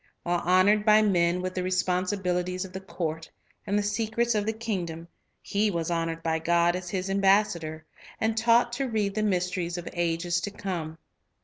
While honored by men with the responsibilities of the court and the secrets of the kingdom, he was honored by God as His ambassador, and taught to read the mysteries of ages to come.